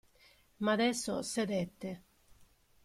Ma adesso sedete.